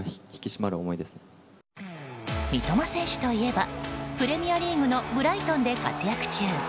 三笘選手といえばプレミアリーグのブライトンで活躍中。